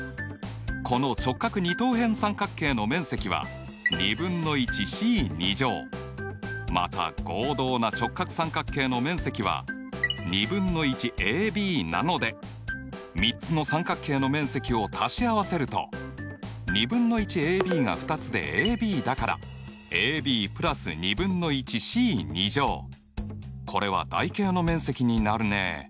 この直角二等辺三角形の面積はまた合同な直角三角形の面積は３つの三角形の面積を足し合わせると２分の１ａｂが２つでａｂだからこれは台形の面積になるね。